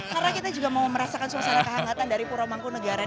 karena kita juga mau merasakan suasana kehangatan dari purwomongko negara kita